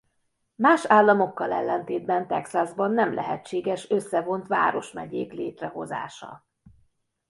Más államokkal ellentétben Texasban nem lehetséges összevont város-megyék létrehozása.